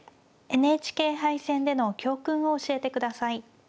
ＮＨＫ杯戦での教訓を教えて下さい。